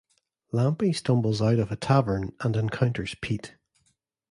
Lampie stumbles out of a tavern and encounters Pete.